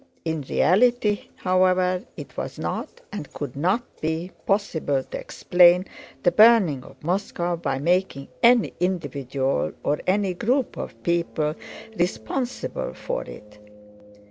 In reality, however, it was not, and could not be, possible to explain the burning of Moscow by making any individual, or any group of people, responsible for it.